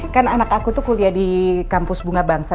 kan anak aku tuh kuliah di kampus bunga bangsa